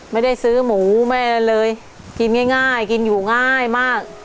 ไม่ซื้อหมูแม่เลยกินง่ายกินอยู่ง่ายมาก